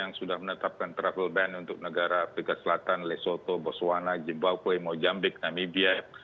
yang sudah menetapkan travel ban untuk negara tegas selatan lesotho botswana jemba kuwait mojambik namibia